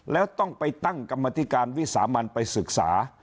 แล้วต้องไปตั้งกรรมธิการวิสามันไปศึกษา